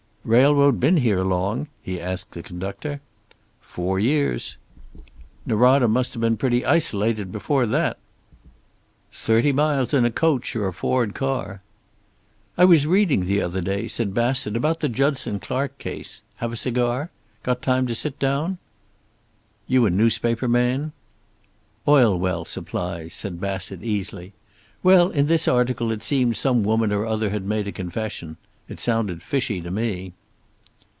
"Railroad been here long?" he asked the conductor. "Four years." "Norada must have been pretty isolated before that." "Thirty miles in a coach or a Ford car." "I was reading the other day," said Bassett, "about the Judson Clark case. Have a cigar? Got time to sit down?" "You a newspaper man?" "Oil well supplies," said Bassett easily. "Well, in this article it seemed some woman or other had made a confession. It sounded fishy to me."